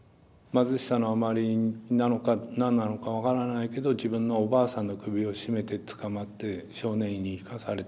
貧しさのあまりなのか何なのか分からないけど自分のおばあさんの首を絞めて捕まって少年院に行かされたって。